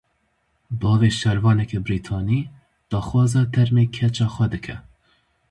Bavê şervaneke Brîtanî daxwaza termê keça xwe dike.